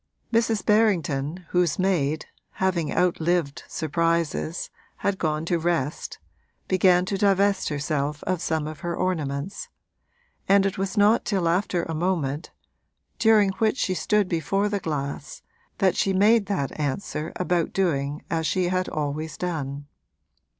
Mrs. Berrington, whose maid, having outlived surprises, had gone to rest, began to divest herself of some of her ornaments, and it was not till after a moment, during which she stood before the glass, that she made that answer about doing as she had always done.